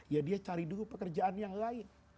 ya dia cari dulu pekerjaan yang lain